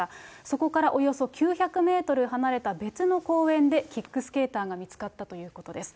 そこからおよそ９００メートル離れた別の公園で、キックスケーターが見つかったということです。